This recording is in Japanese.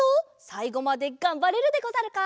さいごまでがんばれるでござるか？